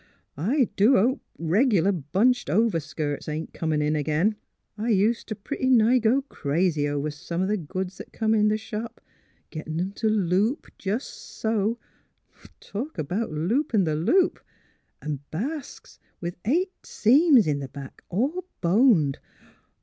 I do hope reg'lar bunched overskirts ain't comin' in ag'in. I ust t' pretty nigh go crazy over some o' th' goods that come in th' shop — gettin' 'em t' loop jes' so — talk about loopin' the loop! ... An' basques with eight seams in back, all boned!